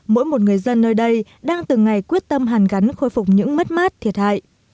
mỗi một người dân nơi đây đang từng ngày quyết tâm hàn gắn khôi phục những mất mát thiệt hại